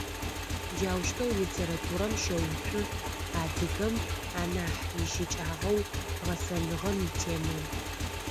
Джаущтэу литературэм щэуцу адыгэм анахь ищыкӏагъэу-гъэсэныгъэм итемэ.